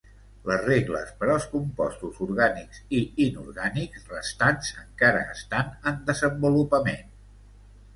Les regles per als compostos orgànics i inorgànics restants encara estan en desenvolupament.